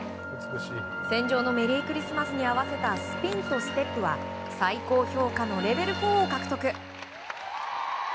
「戦場のメリークリスマス」に合わせたスピンとステップは最高評価のレベル４を獲得。